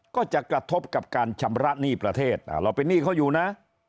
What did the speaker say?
ก็จะกระทบกับการชำระหนี้ประเทศเราเป็นหนี้เขาอยู่นะ